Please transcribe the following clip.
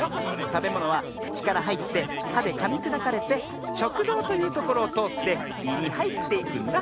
たべものはくちからはいって「は」でかみくだかれて「しょくどう」というところをとおって「い」にはいっていくんだ。